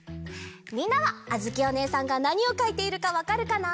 みんなはあづきおねえさんがなにをかいているかわかるかな？